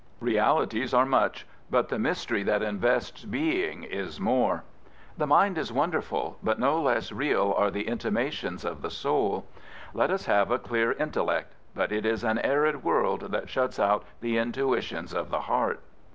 Realities are much; but the mystery that invests being is more. The mind is wonderful, but no less real are the in timations of the soul. Let us have a clear intellect; but it is an arid*world that shuts out the intuitions of the heart.